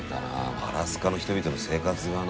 アラスカの人々の生活がな。